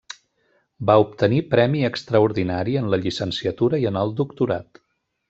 Va obtenir Premi Extraordinari en la Llicenciatura i en el Doctorat.